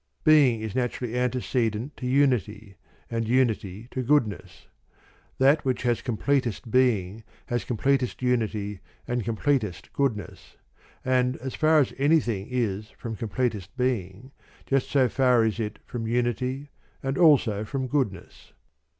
Being is naturally antece dent to unity, and unity to goodness ; that which has completest being has completest unity and completest goodness. And as tar as anything is from completest being, just so far is it fiom unity and also from goodness.